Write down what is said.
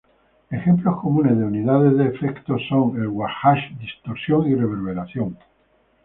Ejemplos comunes de unidades de efectos son el wah-wah, distorsión y reverberación.